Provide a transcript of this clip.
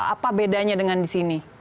apa bedanya dengan di sini